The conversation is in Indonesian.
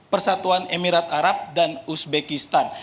persatuan emirat arab dan uzbekistan